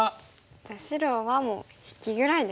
じゃあ白はもう引きぐらいですかね。